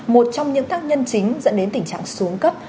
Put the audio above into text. một trong những tác nhân chính dẫn đến tình trạng xuống cấp